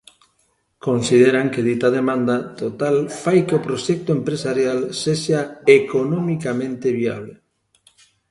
Consideran que dita demanda total fai que o proxecto empresarial sexa "economicamente viable".